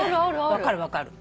分かる分かる。